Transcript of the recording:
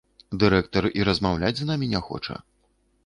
Дырэктар і размаўляць з намі не хоча.